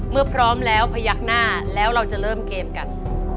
พร้อมแล้วพยักหน้าแล้วเราจะเริ่มเกมกัน